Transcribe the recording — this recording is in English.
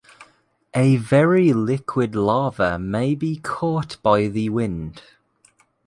A very liquid lava may be caught by the wind.